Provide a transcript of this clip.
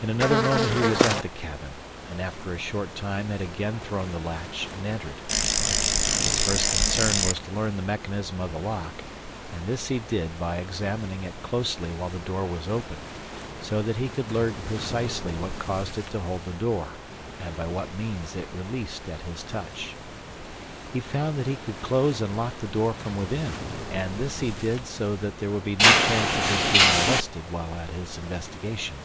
In another moment he was at the cabin, and after a short time had again thrown the latch and entered. His first concern was to learn the mechanism of the lock, and this he did by examining it closely while the door was open, so that he could learn precisely what caused it to hold the door, and by what means it released at his touch. He found that he could close and lock the door from within, and this he did so that there would be no chance of his being molested while at his investigation.